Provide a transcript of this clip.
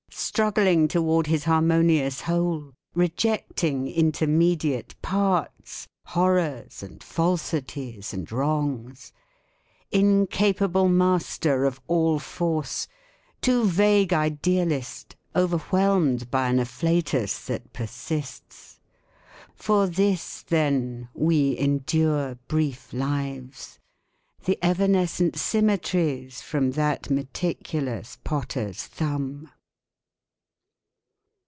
Struggling toward his harmonious whole. Rejecting intermediate parts— Horrors and falsities and wrongs; Incapable master of all force. Too vague idealist, overwhelmed By an afflatus that persists. For this, then, we endure brief lives. The evanescent symmetries From that meticulous potter's thumb.